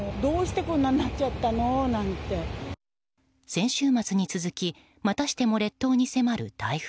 先週末に続きまたしても列島に迫る台風。